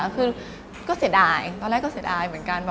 คือก็เสียดายตอนแรกก็เสียดายเหมือนกัน